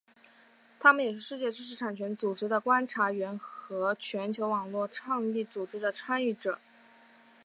他们也是世界知识产权组织的观察员和全球网络倡议组织的参与者。